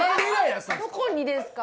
どこにですか？